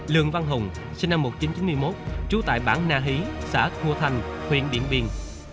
lượng văn hùng sinh năm một nghìn chín trăm chín mươi một trú tại bảng na hí xã ngu thành huyện điện biên